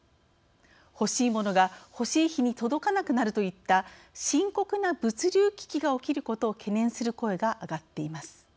欲しいモノが欲しい日に届かなくなるといった深刻な物流危機が起きることを懸念する声が上がっています。